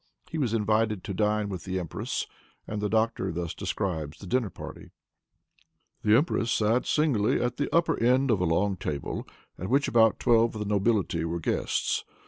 He was invited to dine with the empress; and the doctor thus describes the dinner party: "The empress sat singly at the upper end of a long table, at which about twelve of the nobility were guests.